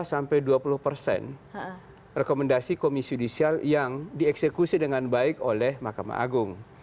hanya lima belas sampai dua puluh persen rekomendasi komisi judisial yang dieksekusi dengan baik oleh mahkamah agung